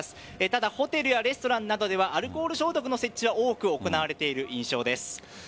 ただ、ホテルやレストランなどではアルコール消毒の設置は、多く行われている印象です。